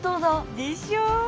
でしょ！